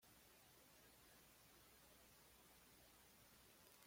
La sede del condado es Sheridan.